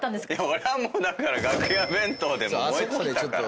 俺はもうだから楽屋弁当で燃え尽きたから。